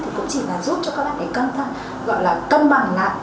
thì cũng chỉ là giúp cho các bạn cân bằng lại